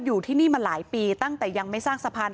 อยู่ที่นี่มาหลายปีตั้งแต่ยังไม่สร้างสะพาน